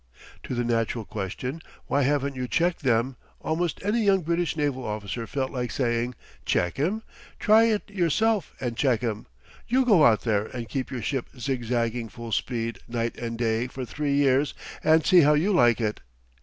To the natural question, Why haven't you checked them? almost any young British naval officer felt like saying: "Check 'em? Try it yourself and check 'em! You go out there and keep your ship zigzagging full speed night and day for three years and see how you like it!